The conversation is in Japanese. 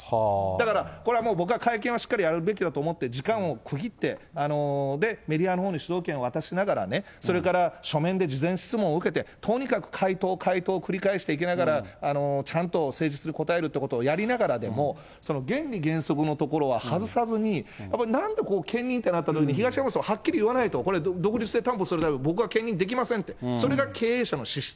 だからこれは、僕は会見はしっかりやるべきだと思って、時間を区切って、メディアのほうに主導権を渡しながら、それから書面で事前質問を受けて、とにかく回答回答を繰り返していきながら、ちゃんと誠実に答えるということをやりながらでも、その原理原則のところは外さずに、やっぱりなんで兼任となったときに、東山さんもはっきり言わないと、これ、独立性担保するために僕は兼任できませんって、それが経営者の資